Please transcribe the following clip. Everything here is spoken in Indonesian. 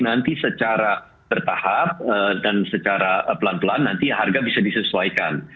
nanti secara bertahap dan secara pelan pelan nanti harga bisa disesuaikan